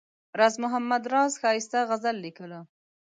راز محمد راز ښایسته غزل لیکله.